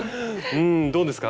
うんどうですか？